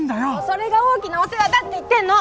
それが大きなお世話だって言ってんの！